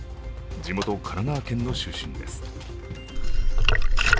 地元神奈川県の出身です。